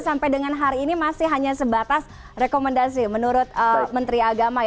sampai dengan hari ini masih hanya sebatas rekomendasi menurut menteri agama